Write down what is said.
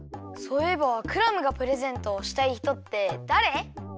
そういえばクラムがプレゼントをしたいひとってだれ？